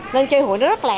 nên chê hụi nó rất lẹ